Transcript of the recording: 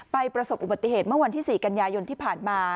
ประสบอุบัติเหตุเมื่อวันที่๔กันยายนที่ผ่านมา